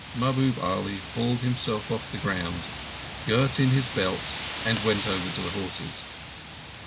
Mahbub Ali hauled himself off the ground, girt in his belt, and went over to the horses.